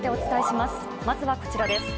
まずはこちらです。